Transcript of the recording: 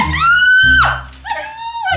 yang cantik cerita